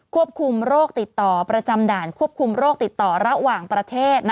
ควบคุมโรคติดต่อประจำด่านควบคุมโรคติดต่อระหว่างประเทศ